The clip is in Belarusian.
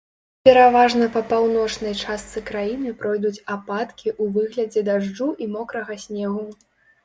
Пераважна па паўночнай частцы краіны пройдуць ападкі ў выглядзе дажджу і мокрага снегу.